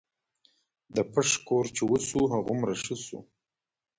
د پښ کور چې وسو هغومره ښه سو.